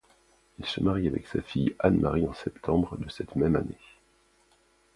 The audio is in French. Il se marie avec sa fille Anne-Marie en septembre de cette même année.